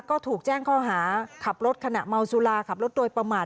ก็ถูกแจ้งข้อหาขับรถขณะเมาสุราขับรถโดยประมาท